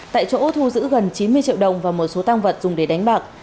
tại chỗ thu giữ gần chín mươi triệu đồng và một số tăng vật dùng để đánh bạc